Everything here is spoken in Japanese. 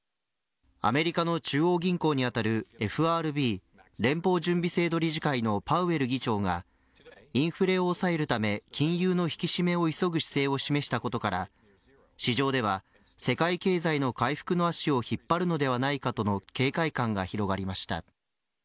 アメリカの中央銀行にあたるＦＲＢ連邦準備制度理事会のパウエル議長がインフレを抑えるため金融の引き締めを急ぐ姿勢を示したことから市場では世界経済の回復の足を引っ張るのではないかとの警戒感が広がりました。